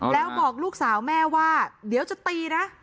แล้วบอกลูกสาวแม่ว่าเดี๋ยวจะตีนะ